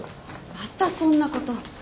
またそんなこと。